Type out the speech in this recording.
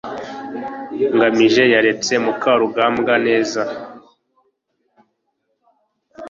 ngamije yaretse mukarugambwa neza